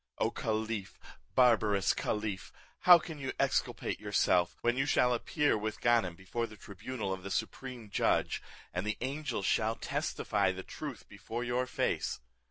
O caliph, barbarous caliph, how can you exculpate yourself, when you shall appear with Ganem before the tribunal of the Supreme Judge, and the angels shall testify the truth before your face?